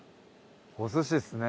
お寿司っすね。